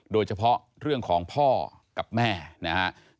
โดยเฉพาะเรื่องของพ่อกับแม่นะครับ